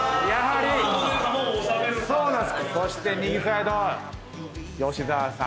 そして右サイド吉澤さん。